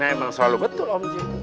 emang selalu betul om jun